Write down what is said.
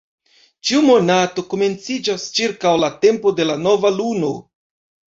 Ĉiu monato komenciĝas ĉirkaŭ la tempo de la nova luno.